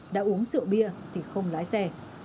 đã uống rượu bia thì không lái xe